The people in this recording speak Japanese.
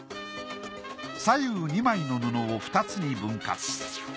左右２枚の布を２つに分割。